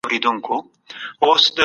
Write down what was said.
ټولنه تل د بدلون په حال کي وي.